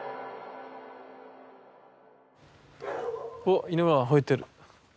おっ犬がほえてる。